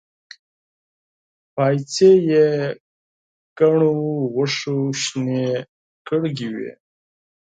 پايڅې يې ګڼو وښو شنې کړې وې.